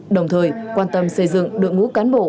đồng thời quan tâm xây dựng đội ngũ cán bộ